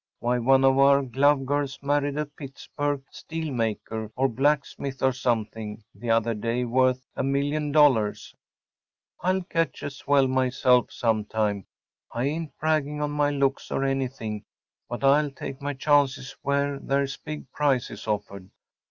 Why, one of our glove girls married a Pittsburg‚ÄĒsteel maker, or blacksmith or something‚ÄĒthe other day worth a million dollars. I’ll catch a swell myself some time. I ain’t bragging on my looks or anything; but I’ll take my chances where there’s big prizes offered.